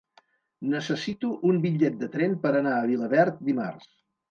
Necessito un bitllet de tren per anar a Vilaverd dimarts.